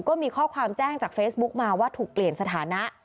ก็มีข้อความแจ้งจากเฟซบุ๊กมาว่าถูกเปลี่ยนสถานะ